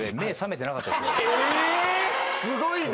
すごいね。